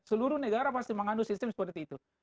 seluruh negara pasti mengandung sistem seperti itu